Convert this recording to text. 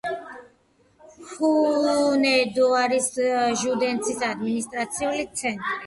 ჰუნედოარის ჟუდეცის ადმინისტრაციული ცენტრი.